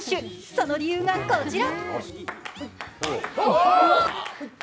その理由がこちら。